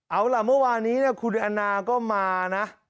เอาล่ะเมื่อวานนี้คุณแอนนาก็มานะ